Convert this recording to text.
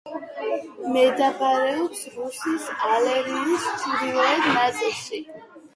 მდებარეობს რურის არეალის ჩრდილოეთ ნაწილში.